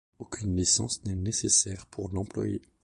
Aucune licence n'est nécessaire pour l'employer.